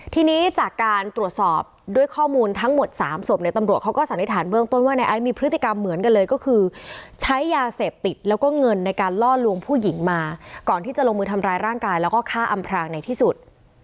ทีนี้จากการตรวจสอบด้วยข้อมูลทั้งหมด๓ศพเนี่ยตำรวจเขาก็สันนิษฐานเบื้องต้นว่าในไอซ์มีพฤติกรรมเหมือนกันเลยก็คือใช้ยาเสพติดแล้วก็เงินในการล่อลวงผู้หญิงมาก่อนที่จะลงมือทำร้ายร่างกายแล้วก็ฆ่าอำพรางในที่สุด